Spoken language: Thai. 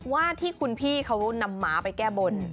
ว่าที่คุณพี่เขานำหมาไปแก้บน